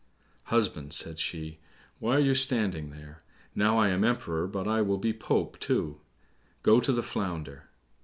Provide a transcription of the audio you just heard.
"Husband," said she, "why are you standing there? Now, I am Emperor, but I will be Pope too; go to the Flounder."